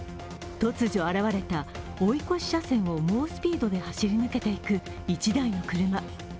突如現れた追い越し車線を猛スピードで走り抜けていく１台の車。